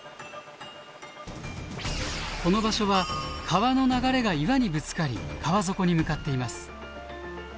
この場所は川の流れが岩にぶつかり川底に向かっています。